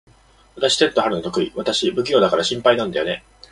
でも、テント張るの得意？私、不器用だから心配なんだよね。